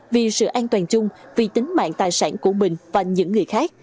vì sự an toàn chung vì tính mạng tài sản của mình và những người khác